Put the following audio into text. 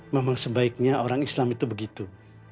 memang sebaiknya orang islam itu begitu